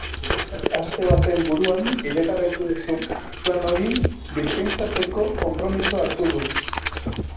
Enpresak aste baten buruan bideragarritasun plan hori birpentsatzeko konpromisoa hartu du.